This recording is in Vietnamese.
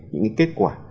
những kết quả